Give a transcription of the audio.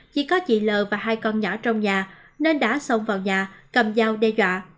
chỉ có chị l và hai con nhỏ trong nhà nên đã xông vào nhà cầm dao đe dọa